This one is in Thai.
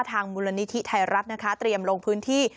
ทางมูลนิธิไทยรัฐนะคะเตรียมลงพื้นที่